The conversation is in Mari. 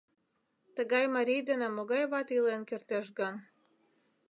— Тыгай марий дене могай вате илен кертеш гын...